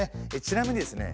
ちなみにですね